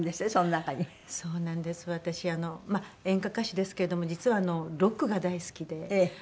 まあ演歌歌手ですけども実はロックが大好きで。